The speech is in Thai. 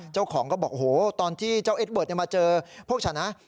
เจ้าของก็บอกโอ้โหตอนที่เจ้าเอ็ดเบิร์ตมาเจอพวกฉันนะ